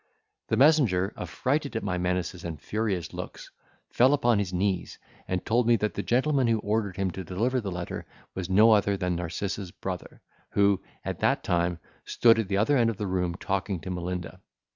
The messenger, affrighted at my menaces and furious looks, fell upon his knees, and told me, that the gentleman who ordered him to deliver the letter was no other than Narcissa's brother, who, at that time, stood at the other end of the room, talking to Melinda.